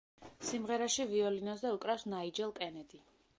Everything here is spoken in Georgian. სიმღერაში ვიოლინოზე უკრავს ნაიჯელ კენედი.